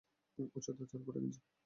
উচ্চতা চার ফুট এক ইঞ্চি।